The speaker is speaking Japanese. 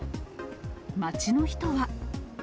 街の人は。